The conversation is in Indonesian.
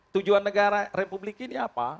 tujuan negara republik ini apa